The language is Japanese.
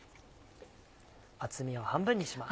厚みを半分にします。